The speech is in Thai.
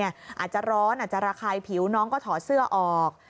อาจจะร้อนอาจจะระคายผิวน้องก็ถอดเสื้อออก